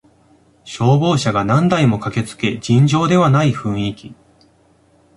消防車が何台も駆けつけ尋常ではない雰囲気